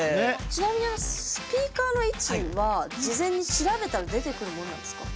ちなみにあのスピーカーの位置は事前に調べたら出てくるもんなんですか。